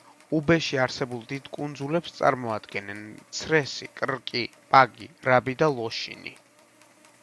უბეში არსებულ დიდ კუნძულებს წარმოადგენენ: ცრესი, კრკი, პაგი, რაბი და ლოშინი.